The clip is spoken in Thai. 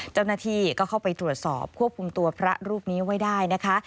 เจ้าหน้าที่ก็เข้าไปตรวจสอบควบคุมตัวพระรูปนี้ไว้ได้นะคะ